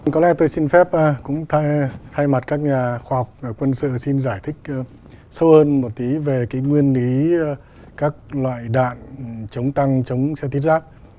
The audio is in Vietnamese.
có lẽ tôi xin phép cũng thay mặt các nhà khoa học và quân sự xin giải thích sâu hơn một tí về cái nguyên lý các loại đạn chống tăng chống xe thiết giáp